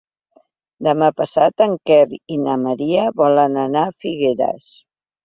Demà passat en Quer i na Maria volen anar a Figueres.